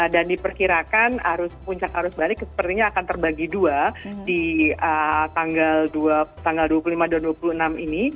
dan diperkirakan arus puncak arus balik sepertinya akan terbagi dua di tanggal dua puluh lima dan dua puluh enam ini